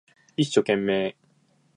一生懸命